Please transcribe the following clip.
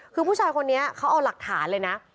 คือผู้ชายคนนี้เขาเอาหลักฐานเลยนะ